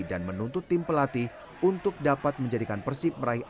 dan menuntut tim pelatih untuk dapat menjadikan persib meraih alasan